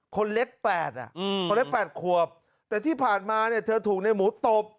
คนเล็ก๘อ่ะคนเล็ก๘ขวบแต่ที่ผ่านมาเนี่ยเธอถูกในหมูตบ